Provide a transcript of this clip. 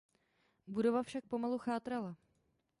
Budova však pomalu chátrala.